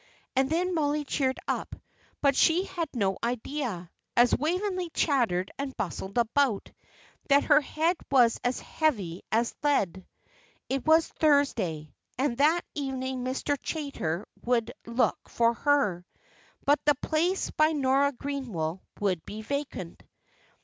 And then Mollie cheered up; but she had no idea, as Waveney chattered and bustled about, that her head was as heavy as lead. It was Thursday, and that evening Mr. Chaytor would look for her. But the place by Nora Greenwell would be vacant.